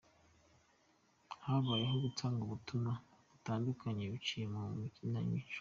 Habayeho gutanga ubutumwa butandukanye biciye mu kinamico.